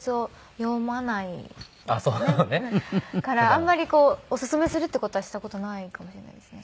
あんまりこうオススメするっていう事はした事ないかもしれないですね。